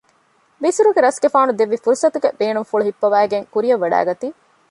މިސުރުގެ ރަސްގެފާނު ދެއްވި ފުރުސަތުގެ ބޭނުންފުޅު ހިއްޕަވައިގެން ކުރިއަށް ވަޑައިގަތީ